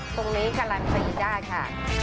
ตรงนี้กำลังฟรีได้ค่ะ